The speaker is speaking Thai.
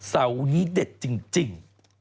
เสานี้เด็ดจริง